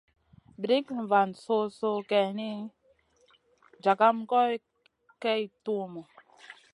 Brikŋa van so-soh geyni, jagam goy kay tuhmu.